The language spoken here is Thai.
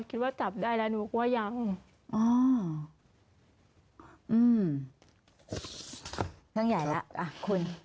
คิดว่าจับได้แล้วหนูก็ว่ายังอ๋ออืมทั้งใหญ่ละอ่ะคุณ